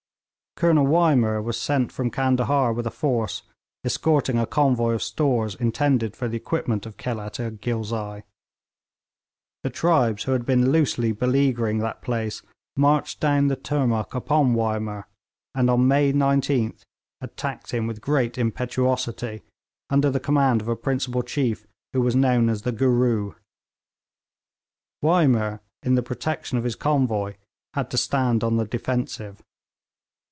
Colonel Wymer was sent from Candahar with a force, escorting a convoy of stores intended for the equipment of Khelat i Ghilzai. The tribes who had been loosely beleaguering that place marched down the Turnuk upon Wymer, and on May 19th attacked him with great impetuosity, under the command of a principal chief who was known as the 'Gooroo.' Wymer, in the protection of his convoy, had to stand on the defensive.